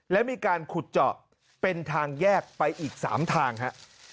และมีการขุดเจาะเป็นทางแยกไปอีก๓ทางฮะ